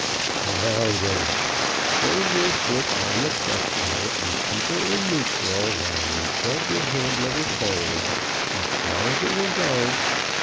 "Now, then: hold your foot on the clutch pedal and keep her in neutral, while you shove your hand lever forward as far as it will go.